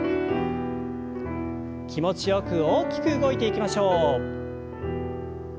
気持ちよく大きく動いていきましょう。